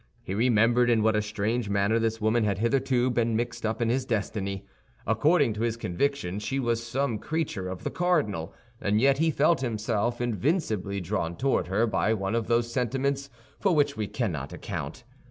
He remembered in what a strange manner this woman had hitherto been mixed up in his destiny. According to his conviction, she was some creature of the cardinal, and yet he felt himself invincibly drawn toward her by one of those sentiments for which we cannot account.